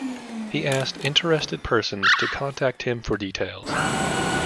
He asked interested persons to contact him for details.